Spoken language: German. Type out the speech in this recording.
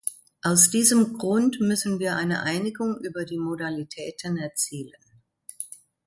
Aus diesem Grund müssen wir eine Einigung über die Modalitäten erzielen.